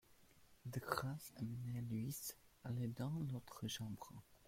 De grâce, emmenez Louise, allez dans l'autre chambre.